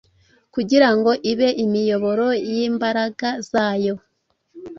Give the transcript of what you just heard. kugira ngo ibe imiyoboro y’imbaraga zayo,